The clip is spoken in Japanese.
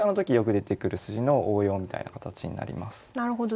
なるほど。